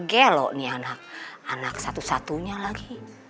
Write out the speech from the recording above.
gelok nih anak anak satu satunya lagi